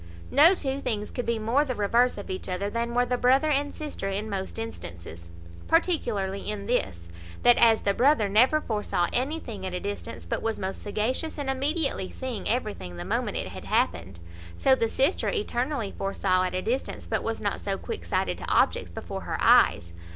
No two things could be more the reverse of each other than were the brother and sister in most instances; particularly in this, That as the brother never foresaw anything at a distance, but was most sagacious in immediately seeing everything the moment it had happened; so the sister eternally foresaw at a distance, but was not so quick sighted to objects before her eyes.